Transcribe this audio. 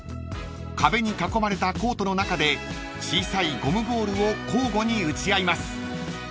［壁に囲まれたコートの中で小さいゴムボールを交互に打ち合います］